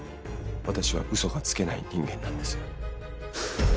私はうそがつけない人間なんです。